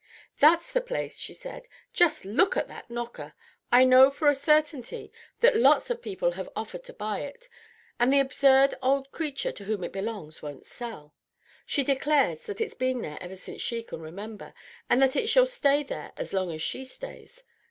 "That's the place," she said. "Just look at that knocker. I know for a certainty that lots of people have offered to buy it, and the absurd old creature to whom it belongs won't sell. She declares that it's been there ever since she can remember, and that it shall stay there as long as she stays.